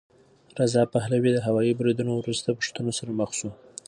رضا پهلوي د هوايي بریدونو وروسته پوښتنو سره مخ شو.